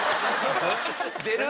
出る？